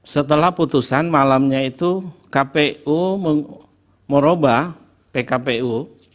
setelah putusan malamnya itu kpu merubah pkpu